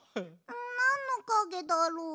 なんのかげだろう。